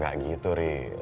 gak gitu rik